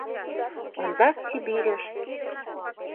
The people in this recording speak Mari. Ондак Сибирьыш.